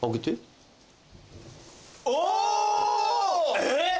えっ⁉